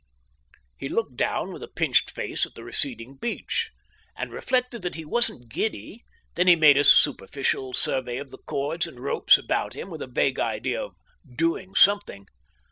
He looked down with a pinched face at the receding beach, and reflected that he wasn't giddy; then he made a superficial survey of the cords and ropes about him with a vague idea of "doing something."